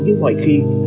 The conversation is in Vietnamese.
như ngoài khi